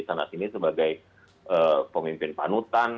sana sini sebagai pemimpin panutan